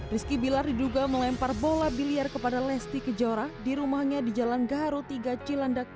rizky bilar diduga melempar bola biliar kepada lesti kejora di rumahnya di jalan gaharu tiga cilandak